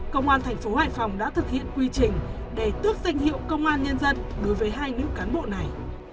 công an tp hoài phòng đã thực hiện quy trình để tước danh hiệu công an nhân dân đối với hai nữ cán bộ này